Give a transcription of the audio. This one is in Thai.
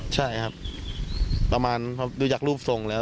ใช่ครับประมาณพอดูจากรูปทรงแล้ว